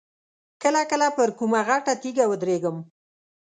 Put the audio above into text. کله کله پر کومه غټه تیږه ودرېږم.